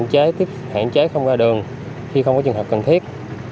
hạn chế không ra đường khi không có trường hợp cần thiết